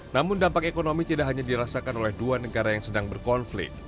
namun dampak ekonomi tidak hanya dirasakan oleh dua negara yang sedang berkonflik